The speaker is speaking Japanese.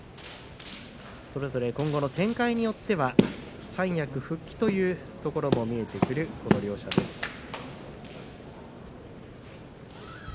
それぞれ今後の展開によっては三役復帰というところも見えてくる、この両者です。